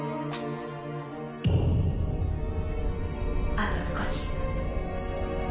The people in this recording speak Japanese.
あと少し。